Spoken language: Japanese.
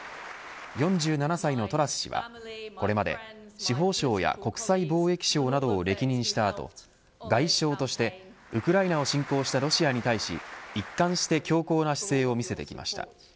４７歳のトラス氏はこれまで司法相や国際貿易相などを歴任した後外相として、ウクライナを侵攻したロシアに対し一貫して強硬な姿勢を見せてきました。